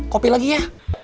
kopi lagi ya